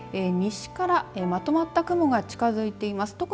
西からまとまった雲が近づいてます。